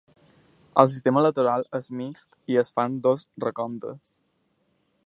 El sistema electoral és mixt i es fan dos recomptes.